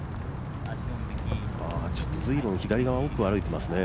随分左側、奥を歩いていますね。